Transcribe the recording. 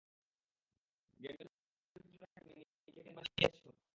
গেমের মূখ্য চরিত্রটাকে কি তুমি নিজেকে কেন্দ্র করে বানিয়েছ?